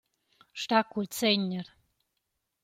Stà cul Segner.